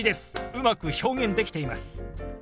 うまく表現できています。